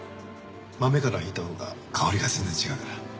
豆から挽いたほうが香りが全然違うから。